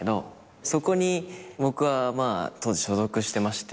そこに僕はまあ当時所属してまして。